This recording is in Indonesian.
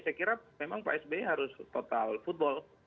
saya kira memang pak sby harus total football